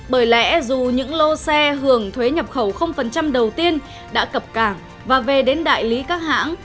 bởi lẽ dù những lô xe hưởng thuế nhập khẩu đầu tiên đã cập cảng và về đến đại lý các hãng